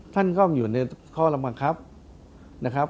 ท่านก็อยู่ในข้อรับกระทับ